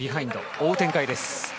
追う展開です。